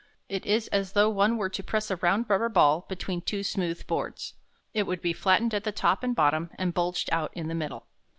It is as though one were to press a round rubber ball between two smooth boards. It would be flattened at the top and bottom and bulged out in the middle.